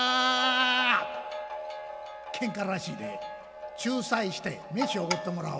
「けんからしいで。仲裁して飯をおごってもらおう。